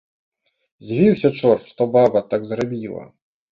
Здзівіўся чорт, што баба так зрабіла.